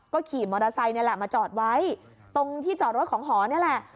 ขี่มอเตอร์ไซค์นี่แหละมาจอดไว้ตรงที่จอดรถของหอนี่แหละ